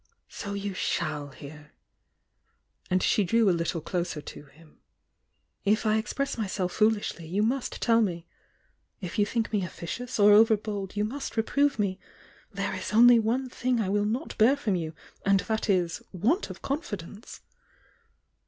"So you shall hear,"— and she drew a little closer to him— If I express myself foolishly you must tell me,— if you think me officious or over bold, you must reprove me— there is only one tb=ng I will not bear from you, and that is, want of confidence!"